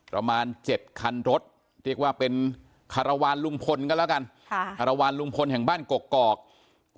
ประมาณ๗คันรถเรียกว่าเป็นคารวาลลุงพลก็แล้วกันคารวาลลุงพลแห่งบ้านกกอก